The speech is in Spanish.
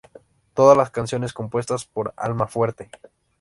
Todas las canciones compuestas por Almafuerte.